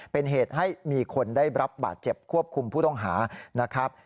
เป็นเหตุให้มีคนได้รับบาดเจ็บควบคุมผู้ต้องหานะครับ